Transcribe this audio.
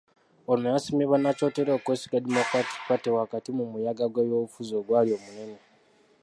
Ono yasiimye bannakyotera okwesiga Democratic Party wakati mu muyaga gw’ebyobufuzi ogwali omunene.